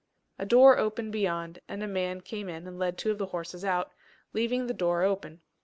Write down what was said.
A door opened beyond, and a man came in and led two of the horses out, leaving the door open.